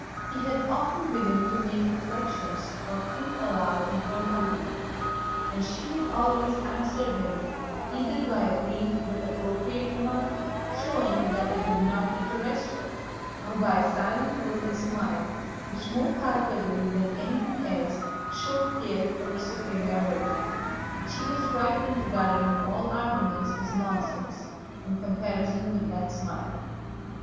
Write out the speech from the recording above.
He had often begun to make reflections or think aloud in her company, and she had always answered him either by a brief but appropriate remark—showing that it did not interest her—or by a silent look and smile which more palpably than anything else showed Pierre her superiority. She was right in regarding all arguments as nonsense in comparison with that smile.